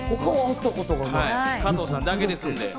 加藤さんだけですんで。